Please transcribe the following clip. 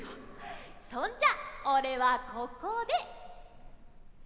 そんじゃ俺はここで。